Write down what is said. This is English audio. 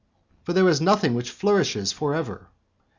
For there is nothing which flourishes for ever.